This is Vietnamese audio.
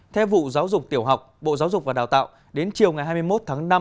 theo vụ giáo dục tiểu học bộ giáo dục và đào tạo đến chiều ngày hai mươi một tháng năm